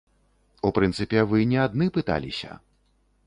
У прынцыпе вы не адны пыталіся.